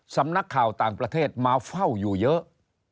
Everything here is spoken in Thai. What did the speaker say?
สำนักข่าวต่างประเทศมาเฝ้าอยู่เยอะ